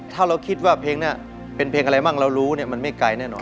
ถ้าเราคิดว่าเพลงนี้เป็นเพลงอะไรมั่งเรารู้เนี่ยมันไม่ไกลแน่นอน